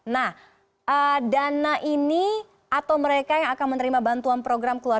nah dana ini atau mereka yang akan menerima bantuan program keluarga